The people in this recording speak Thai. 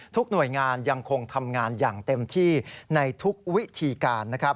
หน่วยงานยังคงทำงานอย่างเต็มที่ในทุกวิธีการนะครับ